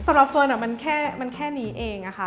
สำหรับเฟิร์นมันแค่นี้เอง